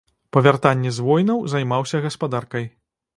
Па вяртанні з войнаў займаўся гаспадаркай.